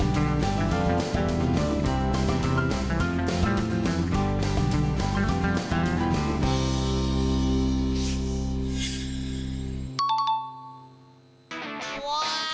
ว้าว